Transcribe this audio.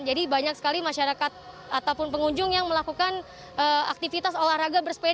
jadi banyak sekali masyarakat ataupun pengunjung yang melakukan aktivitas olahraga bersepeda